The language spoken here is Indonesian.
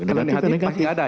kalau negatif pasti ada ya